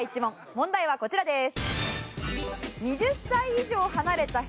問題はこちらです。